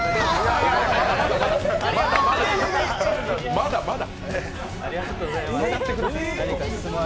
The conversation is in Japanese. まだ、まだ！